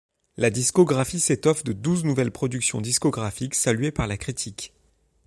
La discographie s’étoffe de douze nouvelles productions discographiques saluées par la critique.